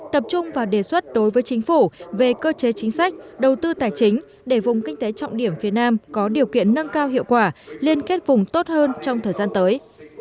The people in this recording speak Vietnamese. tập trung vào đề xuất đối với chính phủ về cơ chế chính sách đầu tư tài chính để vùng kinh tế trọng điểm phía nam có điều kiện nâng cao hiệu quả liên kết vùng tốt hơn trong thời gian tới